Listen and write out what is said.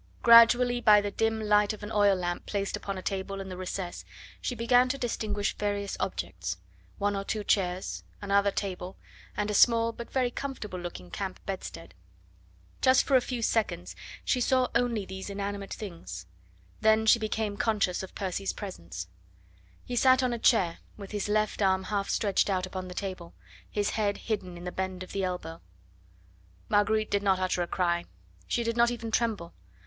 Gradually by the dim light of an oil lamp placed upon a table in the recess she began to distinguish various objects: one or two chairs, another table, and a small but very comfortable looking camp bedstead. Just for a few seconds she only saw these inanimate things, then she became conscious of Percy's presence. He sat on a chair, with his left arm half stretched out upon the table, his head hidden in the bend of the elbow. Marguerite did not utter a cry; she did not even tremble.